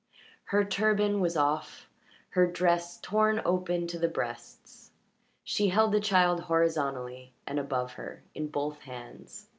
Her turban was off, her dress torn open to the breasts; she held the child horizontally and above her in both hands.